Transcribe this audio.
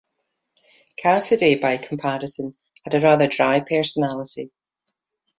Cassidy, by comparison, had a rather dry personality.